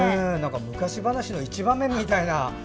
昔話の１話目みたいな。